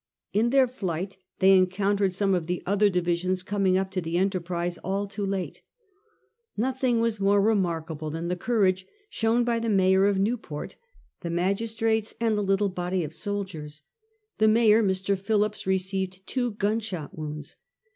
, In their flight they encountered some of the other divisions coming up to the enterprise all too late. Nothing was more remarkable than the courage shown by the mayor of Newport, the magis trates, and the little body of soldiers. The mayor, Mr. Phillips, received two gunshot wounds.